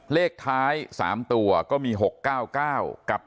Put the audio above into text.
เลขท้าย๓ตัวก็มี๖๙๙กับ